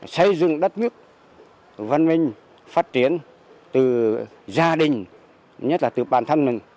xây dựng đất nước văn minh phát triển từ gia đình nhất là từ bản thân mình